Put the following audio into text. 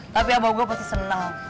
tapi abang gue pasti senang